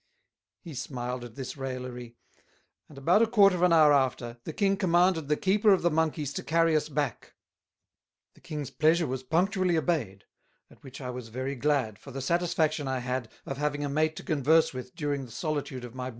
He smiled at this Raillery; and about a quarter of an hour after, the King commanded the Keeper of the Monkeys to carry us back. The King's Pleasure was punctually obeyed; at which I was very glad, for the satisfaction I had, of having a Mate to converse with during the solitude of my Brutification.